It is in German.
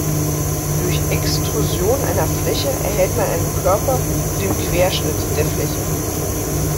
Durch Extrusion einer Fläche erhält man einen Körper mit dem Querschnitt der Fläche.